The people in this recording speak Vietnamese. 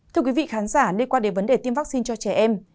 thưa quý vị khán giả liên quan đến vấn đề tiêm vaccine cho trẻ em